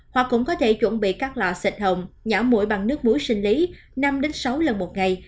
hoặc cũng có thể chuẩn bị các lọ xịt hồng nhỏ mũi bằng nước muối sinh lý năm sáu lần một ngày